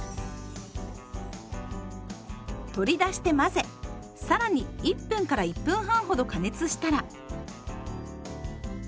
取り出して混ぜ更に１分から１分半ほど加熱したら。